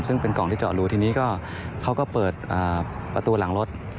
ซึ่งเป็นกล่องที่เจาะรูทีนี้ก็เขาก็เปิดประตูหลังรถ